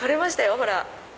ほら。